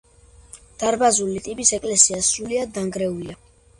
დარბაზული ტიპის ეკლესია სრულიად დანგრეულია.